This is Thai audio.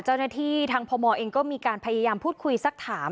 เจ้าหน้าที่ทางพมเองก็มีการพยายามพูดคุยสักถาม